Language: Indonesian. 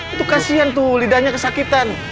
itu kasian tuh lidahnya kesakitan